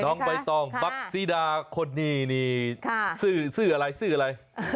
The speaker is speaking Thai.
ต้องไปต้องบักศรีดาคนนี้ซื้ออะไรซื้ออะไร